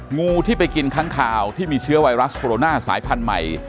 งูที่ไปกินค้างคาวที่มีเชื้อไวรัสโคโรนาสายพันธุ์ใหม่